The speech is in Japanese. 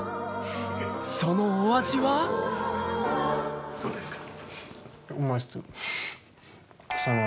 そのお味はどうですか？